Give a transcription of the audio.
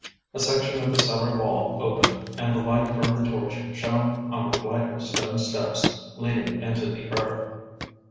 A section of the cellar wall opened and the light from the torch shone on a flight of stone steps leading into the earth.